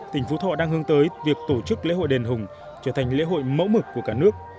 tỉnh phú thọ đang hướng tới việc tổ chức lễ hội đền hùng trở thành lễ hội mẫu mực của cả nước